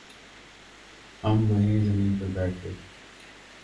ہم وہیں زمین پر بیٹھ گ